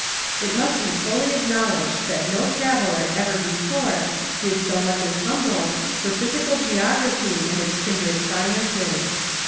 It must be fully acknowledged that no traveller ever before did so much as Humboldt for physical geography and its kindred sciences.